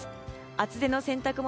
厚手の洗濯物